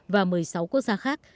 và một mươi sáu quốc gia khác